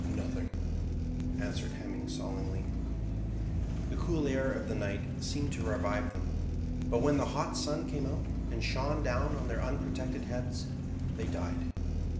"Nothing," answered Hemming solemnly. The cool air of the night seemed to revive them; but when the hot sun came out, and shone down on their unprotected heads, they died.